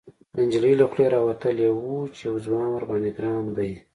، د نجلۍ له خولې راوتلي و چې يو ځوان ورباندې ګران دی.